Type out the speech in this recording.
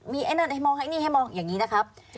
มีไอ้นั่นไอ้มองไอ้นี่ให้มองอย่างนี้นะครับ